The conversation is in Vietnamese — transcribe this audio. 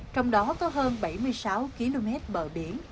trong đó có hơn bảy mươi sáu km bờ biển